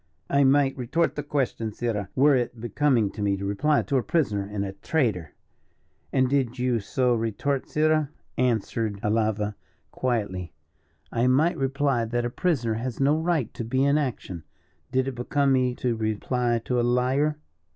"I might retort the question, sirrah, were it becoming me to reply to a prisoner and a traitor." "And did you so retort, sirrah," answered Alava quietly, "I might reply that a prisoner has no right to be in action, did it become me to reply to a liar."